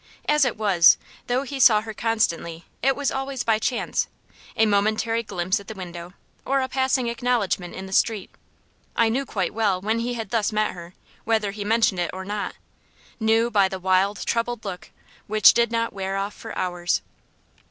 As it was, though he saw her constantly, it was always by chance a momentary glimpse at the window, or a passing acknowledgment in the street. I knew quite well when he had thus met her, whether he mentioned it or not knew by the wild, troubled look, which did not wear off for hours.